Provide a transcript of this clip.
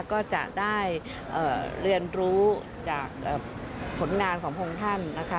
ก็จะได้เรียนรู้จากผลงานของพระองค์ท่านนะคะ